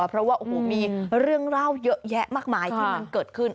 เพราะว่าโอ้โหมีเรื่องเล่าเยอะแยะมากมายที่มันเกิดขึ้น